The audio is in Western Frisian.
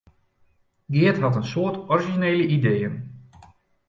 Geart hat in soad orizjinele ideeën.